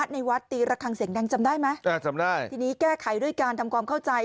ในวัดตีระคังเสียงดังจำได้ไหมอ่าจำได้ทีนี้แก้ไขด้วยการทำความเข้าใจ